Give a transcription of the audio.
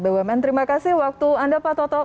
bumn terima kasih waktu anda pak toto